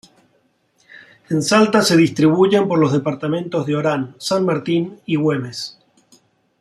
En Salta se distribuyen por los departamentos de Orán, San Martín, y Güemes.